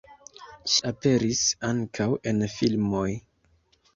Ŝi aperis ankaŭ en filmoj.